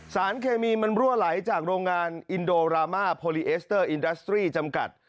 สารเคมีมันรั่วไหลจากโรงงานอินโดรามาโพลิเอสเตอร์อินดัสตรีจำกัด